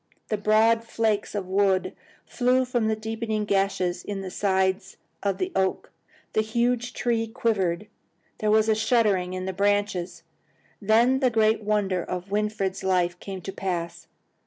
The broad flakes of wood flew from the deepening gashes in the sides of the oak. The huge trunk quivered. There was a shuddering in the branches. Then the great wonder of Winfried's life came to pass.